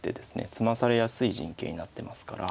詰まされやすい陣形になってますから。